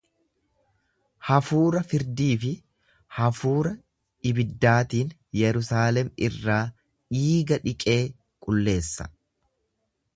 Hafuura firdii fi hafuura ibiddaatiin Yerusaalem irraa dhiiga dhiqee qulleessa.